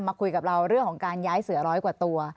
มาคุยกับเราเรื่องของการย้ายเสือร้อยกว่าตัว